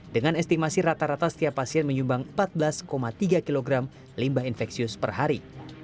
dengan estimasi rata rata setiap pasien menyumbang empat belas tiga kg limbah infeksius per hari